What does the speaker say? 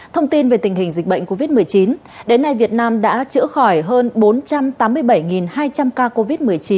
thông tin về tình hình dịch bệnh covid một mươi chín đến nay việt nam đã chữa khỏi hơn bốn trăm tám mươi bảy hai trăm linh ca covid một mươi chín